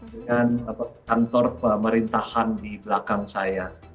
dan kantor pemerintahan di belakang saya